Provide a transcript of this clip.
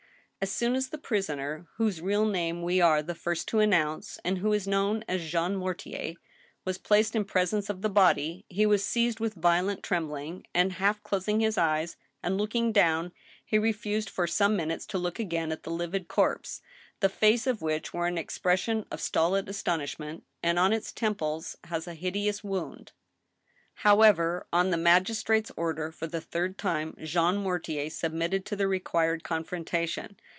"As soon as the prisoner, whose real name we are the. first to announce, and who is known as Jean Mortier, was placed in pres ence of the body, he was seized with violent trembling, and half closing his eyes, and looking down, he refused for some minutes to look again at the livid corpse, the face of which wore an expression of stolid astonishment, and on its temples has a hideoUs wound. " However, on the magistrate's order for the third time, Jean Mortier submitted to the required confrontation.